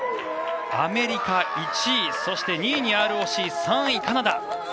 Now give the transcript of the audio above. アメリカ、１位そして２位にＲＯＣ３位、カナダ。